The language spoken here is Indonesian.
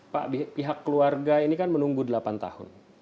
pak pihak keluarga ini kan menunggu delapan tahun